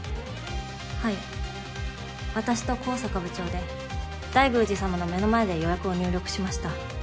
はい私と高坂部長で大宮司様の目の前で予約を入力しました。